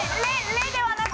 「れ」ではなく。